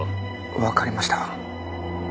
わかりました。